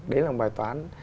đấy là một bài toán